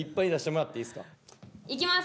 いきます。